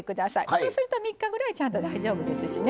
そうすると３日ぐらいちゃんと大丈夫ですしね。